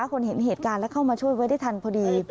คนเห็นเหตุการณ์แล้วเข้ามาช่วยไว้ได้ทันพอดี